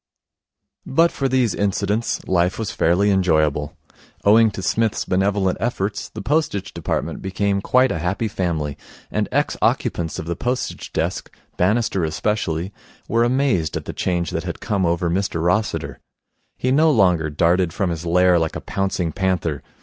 But for these incidents life was fairly enjoyable. Owing to Psmith's benevolent efforts, the Postage Department became quite a happy family, and ex occupants of the postage desk, Bannister especially, were amazed at the change that had come over Mr Rossiter. He no longer darted from his lair like a pouncing panther.